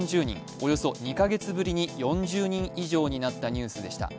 およそ２カ月ぶりに４０人以上になったニュースでした。